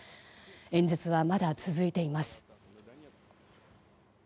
演説は、まだ続いています。